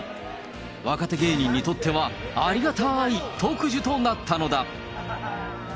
若手芸人にとっては、ありがたい特需となったのだ。